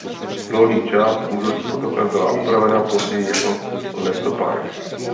Dolní část v údolí potoka byla upravena později jako lesopark.